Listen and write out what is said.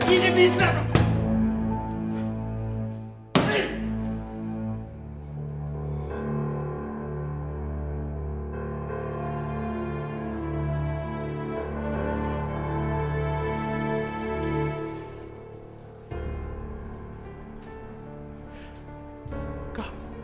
ini bisa dok